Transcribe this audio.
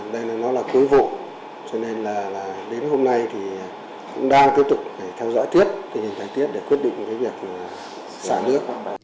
đây là cuối vụ cho nên đến hôm nay cũng đang tiếp tục theo dõi thiết để quyết định việc xả nước